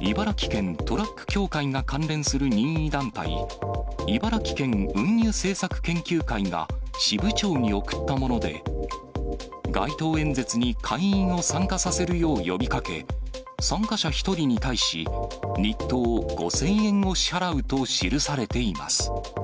茨城県トラック協会が関連する任意団体、茨城県運輸政策研究会が支部長に送ったもので、街頭演説に会員を参加させるよう呼びかけ、参加者１人に対し、日当５０００円を支払うと記されています。